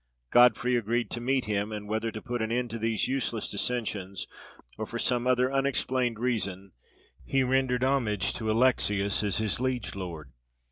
Godfrey agreed to meet him; and, whether to put an end to these useless dissensions, or for some other unexplained reason, he rendered homage to Alexius as his liege lord.